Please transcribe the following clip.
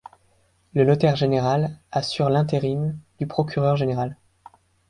Le Notaire-général assure l'intérim du Procureur-général.